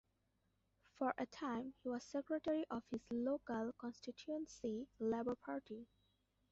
For a time he was secretary of his local constituency Labour Party.